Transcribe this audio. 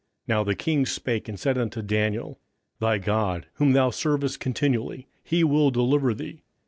Now the king spake and said unto Daniel, Thy God whom thou servest continually, he will deliver thee.